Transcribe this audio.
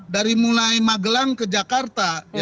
dari mulai magelang ke jakarta